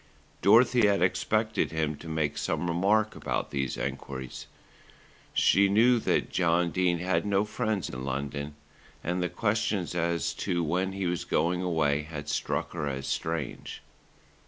Dorothy had expected him to make some remark about these enquiries. She knew that John Dene had no friends in London, and the questions as to when he was going away had struck her as strange.